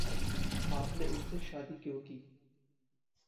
आप ने उनसे शादी क्यों की?